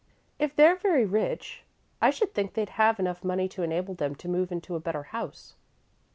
"If they're very rich, I should think they'd have enough money to enable them to move into a better house."